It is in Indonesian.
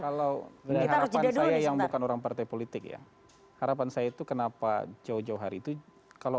kalau dari harapan saya yang bukan orang partai politik ya harapan saya itu kenapa jauh jauh hari itu kalau